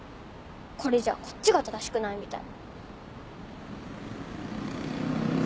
これじゃあこっちが正しくないみたい。